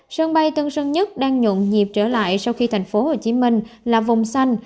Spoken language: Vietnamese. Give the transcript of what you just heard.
sân bay tân sơn nhất đang nhộn nhịp trở lại sau khi thành phố hồ chí minh là vùng xanh